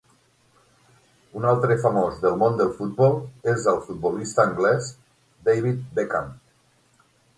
Un altre famós del món del futbol és el futbolista anglès David Beckham.